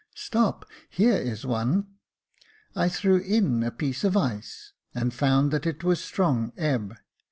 " Stop, here is one." I threw in a piece of ice, and found that it was strong ebb.